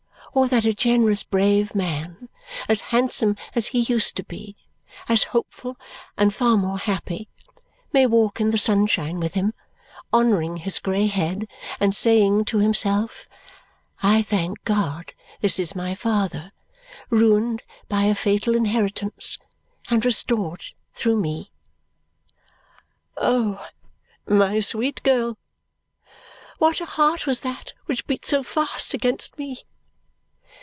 Or that a generous brave man, as handsome as he used to be, as hopeful, and far more happy, may walk in the sunshine with him, honouring his grey head and saying to himself, 'I thank God this is my father! Ruined by a fatal inheritance, and restored through me!'" Oh, my sweet girl, what a heart was that which beat so fast against me!